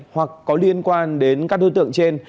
hoặc có liên quan đến các đối tượng trên